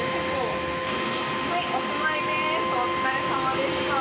お疲れさまでした。